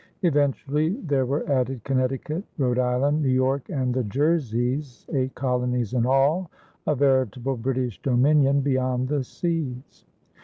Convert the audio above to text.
Eventually there were added Connecticut, Rhode Island, New York, and the Jerseys eight colonies in all, a veritable British dominion beyond the seas.